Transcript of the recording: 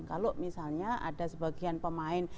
kalau misalnya ada sebagian pemain